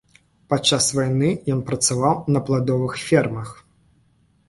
Падчас вайны ён працаваў на пладовых фермах.